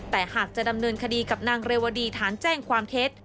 แต่หากจะดำเนินคดีกับนางเรวดีฐานแจ้งความเท็จ